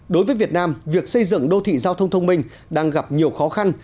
đối với việt nam việc xây dựng đô thị giao thông thông minh đang gặp nhiều khó khăn